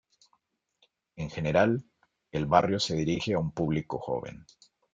En general, el barrio se dirige a un público joven.